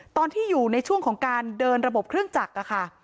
ตอนที่อยู่ในช่วงของการเดินระบบเครื่องจักรค่ะ